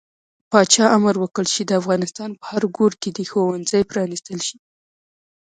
پاچا امر وکړ چې د افغانستان په هر ګوټ کې د ښوونځي پرانستل شي.